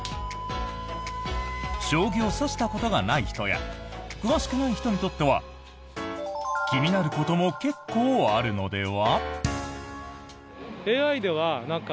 将棋を指したことがない人や詳しくない人にとっては気になることも結構あるのでは？